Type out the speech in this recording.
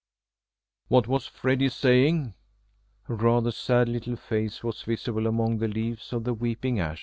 "What was Freddy saying?" A rather sad little face was visible among the leaves of the weeping ash.